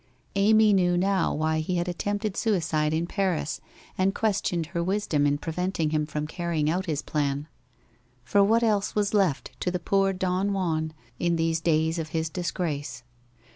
Amy knew now why he had attempted suicide in Paris and questioned her wisdom in preventing him from carry ing out his plan. For what else was left to the poor Don Juan in these days of his disgrace?